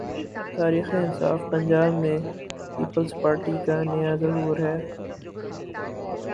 تحریک انصاف پنجاب میں Peoples Party کا نیا ظہور ہے۔